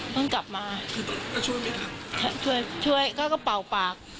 เพิ่งกลับมาช่วยเขาก็เป่าปาก